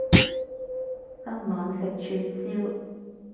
今晚食串燒